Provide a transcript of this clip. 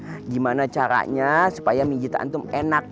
bagaimana caranya supaya menjijit antum enak